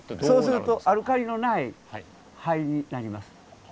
そうするとアルカリのない灰になります。